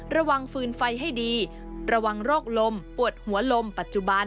ฟืนไฟให้ดีระวังโรคลมปวดหัวลมปัจจุบัน